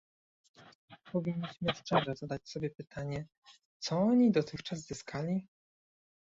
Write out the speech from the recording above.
Powinniśmy szczerze zadać sobie pytanie, co oni dotychczas zyskali?